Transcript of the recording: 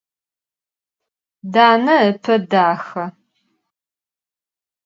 Dane ıpe daxe.